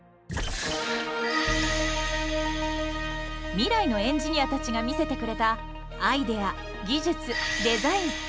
未来のエンジニアたちが見せてくれたアイデア技術デザイン。